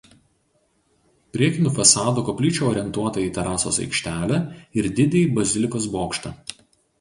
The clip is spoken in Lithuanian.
Priekiniu fasadu koplyčia orientuota į terasos aikštelę ir didįjį bazilikos bokštą.